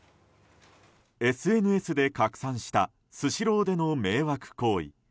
ＳＮＳで拡散したスシローでの迷惑行為。